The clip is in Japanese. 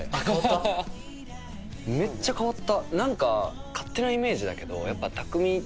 めっちゃ変わった。